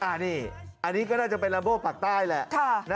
อันนี้ก็น่าจะเป็นลัมโบ้ปากใต้แหละ